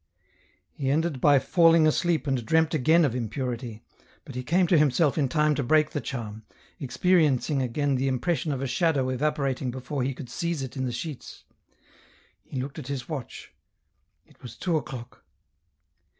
He ended by falling asleep and dreamt again of impurity, but he came to himself in time to break the charm, experi encing again the impression of a shadow evaporating before he could seize it in the sheets. He looked at his watch ; it was two o'clock.